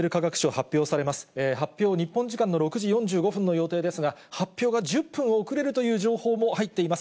発表、日本時間の６時４５分の予定ですが、発表が１０分遅れるという情報も入っています。